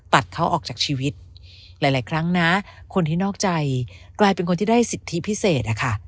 ตัดเขาออกจากชีวิตหลายครั้งนะคนที่นอกใจกลายเป็นคนที่ได้สิทธิพิเศษอะค่ะ